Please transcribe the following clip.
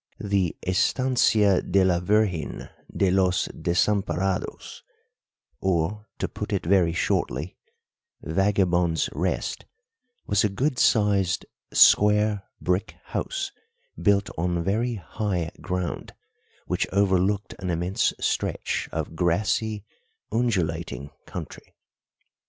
The Estancia de la Virgen de los Desamparados, or, to put it very shortly, Vagabonds' Rest, was a good sized, square brick house built on very high ground, which overlooked an immense stretch of grassy, undulating country.